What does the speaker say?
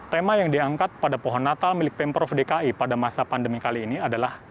tema yang diangkat pada pohon natal milik pemprov dki pada masa pandemi kali ini adalah